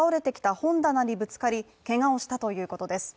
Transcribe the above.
本棚にぶつかり、けがをしたということです。